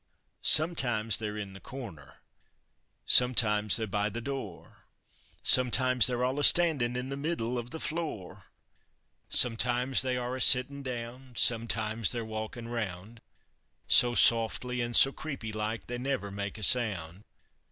Sometimes they're in the corner, sometimes they're by the door, Sometimes they're all a standin' in the middle uv the floor; Sometimes they are a sittin' down, sometimes they're walkin' round So softly an' so creepylike they never make a sound!